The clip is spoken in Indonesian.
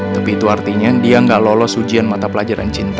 tapi itu artinya dia gak lolos ujian mata pelajaran cinta